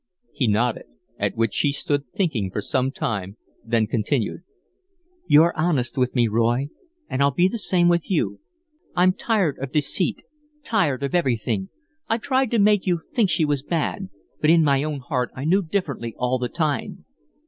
He nodded, at which she stood thinking for some time, then continued: "You're honest with me, Roy, and I'll be the same with you. I'm tired of deceit, tired of everything. I tried to make you think she was bad, but in my own heart I knew differently all the time.